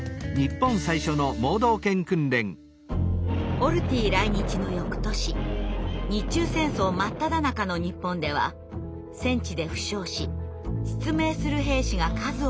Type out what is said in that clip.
オルティ来日の翌年日中戦争真っただ中の日本では戦地で負傷し失明する兵士が数多くいました。